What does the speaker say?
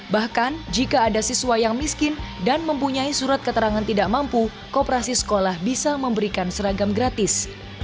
bahkan jika ada siswa yang miskin dan mempunyai surat keterangan tidak mampu kooperasi sekolah bisa memberikan seragam gratis